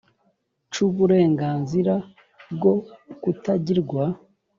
c uburenganzira bwo kutagirwa